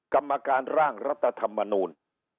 กรรมการร่างรัฐธรรมนูล